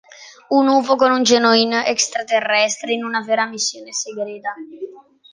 Un Ufo con un genuino extraterrestre, in una vera missione segreta!